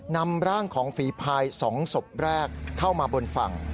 นำร่างของฝีพาย๒ศพแรกเข้ามาบนฝั่ง